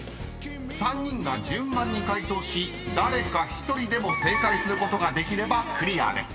［３人が順番に解答し誰か１人でも正解することができればクリアです］